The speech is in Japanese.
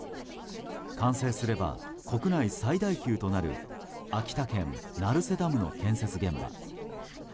完成すれば国内最大級となる秋田県・成瀬ダムの建設現場。